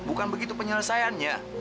bukan begitu penyelesaiannya